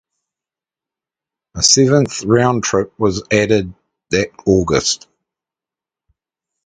A seventh round trip was added that August.